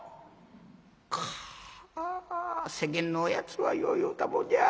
かあ世間のやつはよう言うたもんじゃ。